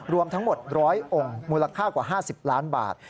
รวมทั้งหมด๑๐๐องค์มูลค่ากว่า๕๐ล้านบาท